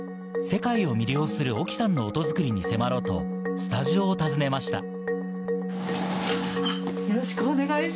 世界を魅了するＯＫＩさんの音作りに迫ろうとスタジオを訪ねました。